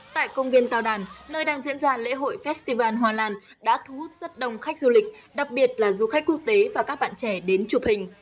tại công viên tàu đàn nơi đang diễn ra lễ hội festival hoa lan đã thu hút rất đông khách du lịch đặc biệt là du khách quốc tế và các bạn trẻ đến chụp hình